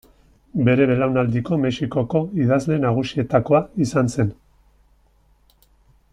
Bere belaunaldiko Mexikoko idazle nagusietakoa izan zen.